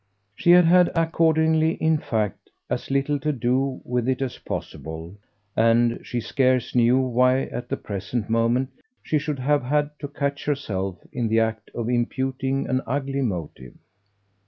She had had accordingly in fact as little to do with it as possible and she scarce knew why at the present moment she should have had to catch herself in the act of imputing an ugly motive.